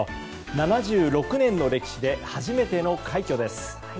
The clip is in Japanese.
７６年の歴史で初めての快挙です。